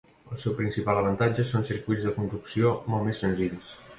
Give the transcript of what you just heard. El seu principal avantatge són circuits de conducció molt més senzills.